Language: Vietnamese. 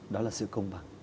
đó là sự công bằng